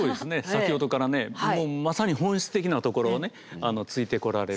先ほどからねまさに本質的なところをねついてこられる。